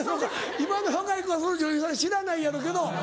今の若い子はその女優さん知らないやろうけど。